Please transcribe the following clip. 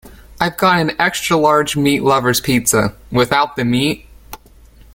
I’ve got an extra large meat lover’s pizza, without the meat?